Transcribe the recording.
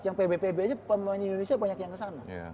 yang pb pb aja pemain indonesia banyak yang kesana